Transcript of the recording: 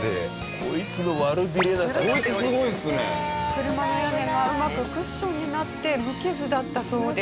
車の屋根がうまくクッションになって無傷だったそうです。